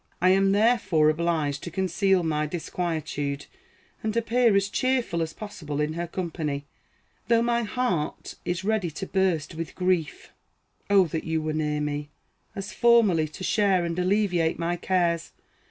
I am therefore obliged to conceal my disquietude, and appear as cheerful as possible in her company, though my heart is ready to burst with grief. O that you were near me, as formerly, to share and alleviate my cares!.